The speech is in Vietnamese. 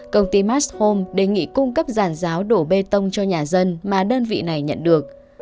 công ty mastome đề nghị cung cấp giàn giáo đổ bê tông cho nhà dân mà đơn vị này nhận được